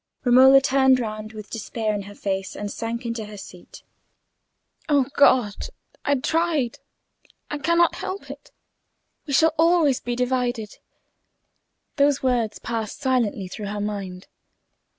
Romola turned round with despair in her face and sank into her seat. "O God, I have tried—I cannot help it. We shall always be divided." Those words passed silently through her mind.